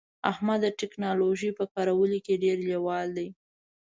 احمد د ټکنالوژی په کارولو کې ډیر لیوال دی